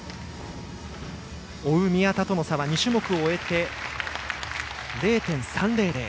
追う宮田との差は２種目を終えて０．３００。